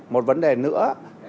một vấn đề nữa